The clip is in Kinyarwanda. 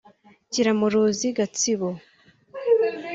Kiramuruzi (Gatsibo)